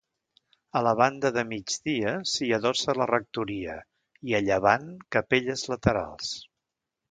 A la banda de migdia s'hi adossa la rectoria i a llevant capelles laterals.